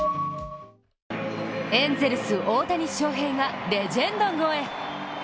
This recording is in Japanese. エンゼルス・大谷翔平がレジェンド超え。